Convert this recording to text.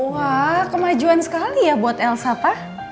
wah kemajuan sekali ya buat elsa pak